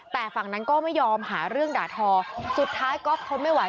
แต่ฝั่งนั้นก็ไม่ยอมหาเรื่องด่าทอสุดท้ายก๊อฟทนไม่ไหว